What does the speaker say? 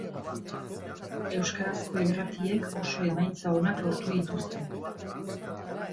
Euskarazko irratiek oso emaitza onak lortu dituzte.